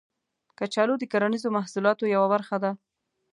کچالو د کرنیزو محصولاتو یوه برخه ده